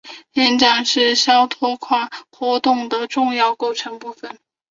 演讲是肖托夸活动的重要构成部分。